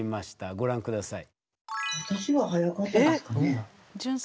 ご覧下さい。